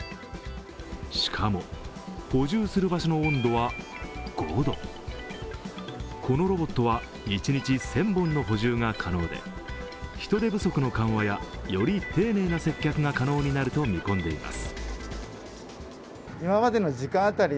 しかも、補充する場所の温度は５度このロボットは一日１０００本の補充が可能で人手不足の緩和や、より丁寧な接客が可能になると見込んでいます。